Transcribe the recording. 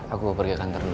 aku pergi kantor dulu ya